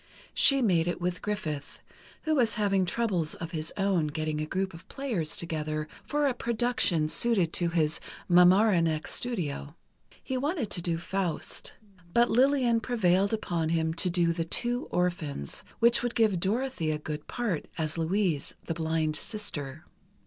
She made it with Griffith, who was having troubles of his own getting a group of players together for a production suited to his Mamaroneck studio. He wanted to do "Faust," but Lillian prevailed upon him to do "The Two Orphans," which would give Dorothy a good part, as Louise, the blind sister.